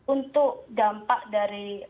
untuk dampak dari